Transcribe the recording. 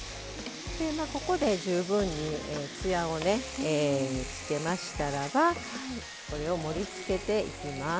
ここで十分につやをつけましたらばこれを盛りつけていきます。